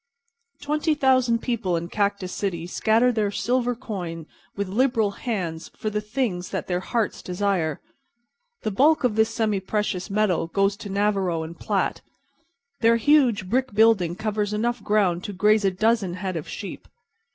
Twenty thousand people in Cactus City scatter their silver coin with liberal hands for the things that their hearts desire. The bulk of this semiprecious metal goes to Navarro & Platt. Their huge brick building covers enough ground to graze a dozen head of sheep.